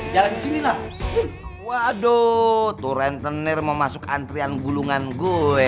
jalan di sini lah waduh turen tenir memasuk antrian gulungan gue